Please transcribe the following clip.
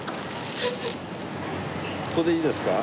ここでいいですか？